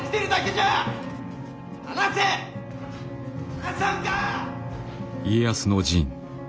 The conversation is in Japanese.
離さんか！